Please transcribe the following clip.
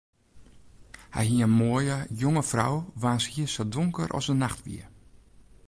Hy hie in moaie, jonge frou waans hier sa donker as de nacht wie.